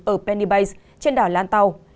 ở penny bays trên đảo lan tàu